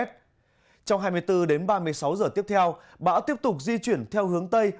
trong hai mươi bốn đến ba mươi sáu giờ tiếp theo bão tiếp tục di chuyển theo hướng tây